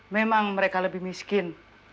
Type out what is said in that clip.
memang mereka lebih miskin